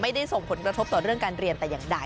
ไม่ได้ส่งผลกระทบต่อเรื่องการเรียนแต่อย่างใด